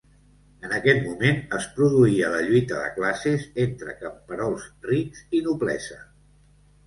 En aquest moment es produïa la lluita de classes entre camperols rics i noblesa.